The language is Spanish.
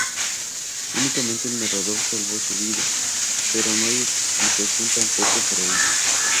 Únicamente el narrador salvó su vida, pero no hay explicación tampoco para ello.